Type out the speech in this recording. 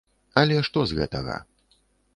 Але што з гэтага?